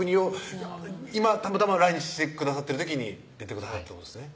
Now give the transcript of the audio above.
今たまたま来日してくださってる時に出てくださったってことですね